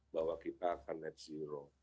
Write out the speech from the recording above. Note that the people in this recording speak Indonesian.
bahwa kita akan net zero